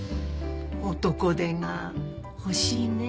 男手が欲しいねえ。